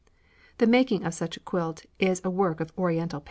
The making of such a quilt is a work of oriental patience."